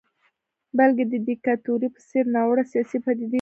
بلکې د دیکتاتورۍ په څېر ناوړه سیاسي پدیدې زېږوي.